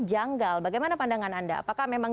janggal bagaimana pandangan anda apakah memang